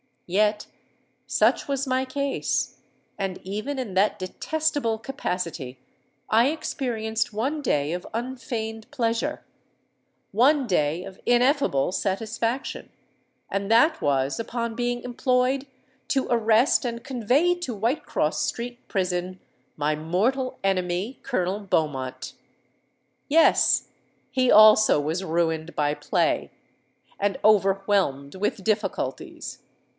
Yet such was my case: and even in that detestable capacity I experienced one day of unfeigned pleasure—one day of ineffable satisfaction; and that was upon being employed to arrest and convey to Whitecross Street prison my mortal enemy—Colonel Beaumont. Yes: he also was ruined by play, and overwhelmed with difficulties.